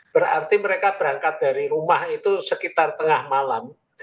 berarti mereka berangkat dari rumah itu sekitar tengah malam